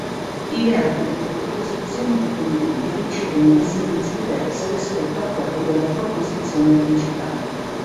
I verbi delle proposizioni dipendenti ricevono desinenze diverse rispetto a quello della proposizione principale.